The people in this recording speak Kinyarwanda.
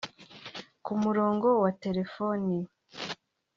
Ku murongo wa telefoni